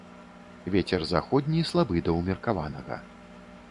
Вецер заходні слабы да ўмеркаванага.